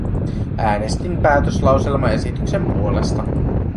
Äänestin päätöslauselmaesityksen puolesta.